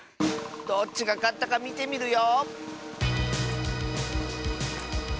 どっちがかったかみてみるよ。